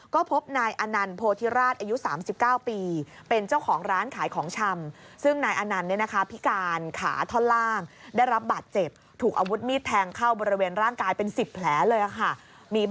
ก็พบนายอนันต์โพธิราชอายุ๓๙ปี